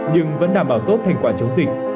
nhưng vẫn đảm bảo tốt thành quả chống dịch